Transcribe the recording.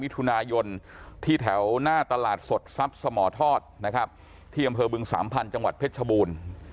มิถุนายนที่แถวหน้าตลาดสดทรัพย์สมทอดนะครับที่อำเภอบึงสามพันธุ์จังหวัดเพชรชบูรณ์